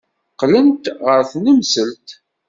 Qqlent ɣer tnemselt.